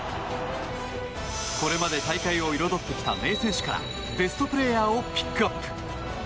これまで大会を彩ってきた名選手からベストプレーヤーをピックアップ！